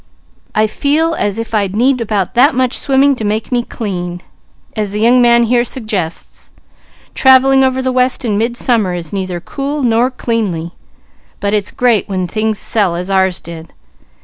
I feel as if I'd need about that much swimming to make me clean, as the young man here suggests; travelling over the west in midsummer is neither cool nor cleanly; but it's great, when things sell as ours did.